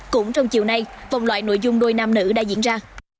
cũng trong chiều nay vòng loại nội dung đôi nam nữ đã diễn ra